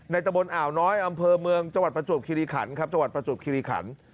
ตะบนอ่าวน้อยอำเภอเมืองจังหวัดประจวบคิริขันครับจังหวัดประจวบคิริขัน